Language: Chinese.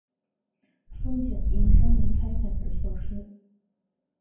风景因山林开垦而消失